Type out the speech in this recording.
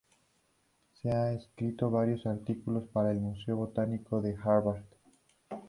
Y ha escrito varios artículos para el Museo Botánico de Harvard.